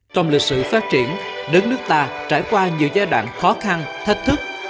trong lịch sử phát triển đất nước ta trải qua nhiều giai đoạn khó khăn thách thức